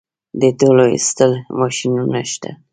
د تیلو ایستلو ماشینونه شته